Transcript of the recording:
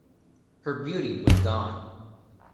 Her beauty was gone.